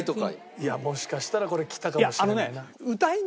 いやもしかしたらこれきたかもしれないな。